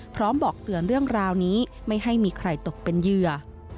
บอกเตือนเรื่องราวนี้ไม่ให้มีใครตกเป็นเหยื่อ